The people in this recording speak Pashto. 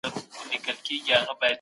د افغانستان غرونه ډېر ښکلي او جګ دي.